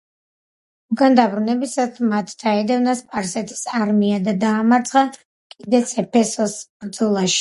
უკან დაბრუნებისას მათ დაედევნა სპარსეთის არმია და დაამარცხა კიდეც ეფესოს ბრძოლაში.